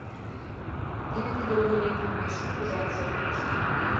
Теве тиде ойлыметым мый шуко жап шонен коштынам.